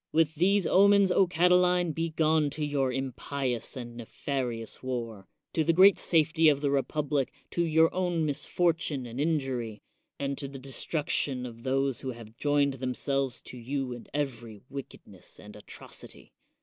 With these omens, Catiline, be gone to your impious and nefarious war, to the great safety of the republic, to your own misfortune and in jury, and to the destruction of those who have joined themselves to you in every wickedness and atrocity.